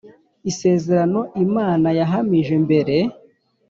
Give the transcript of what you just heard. Isezerano imana yahamije mbere